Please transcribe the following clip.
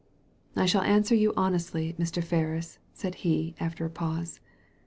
" I shall answer you honestly, Mr. Ferris," said he, after a pause.